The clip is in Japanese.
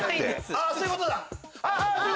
あっそういうことだ。